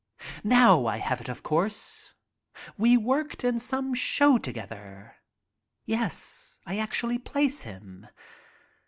Now I have it, of course; we worked in some show to gether. Yes, I can actually place him.